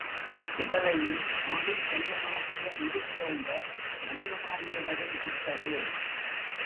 சுடலையில் ஆணும் பெண்ணுமாகிய உருத்தோன்ற நடனமாடியவரும் புத்தரே.